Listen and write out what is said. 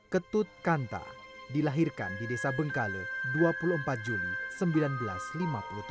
ketut kanta dilahirkan di desa bengkale dua puluh empat juli seribu sembilan ratus lima puluh tiga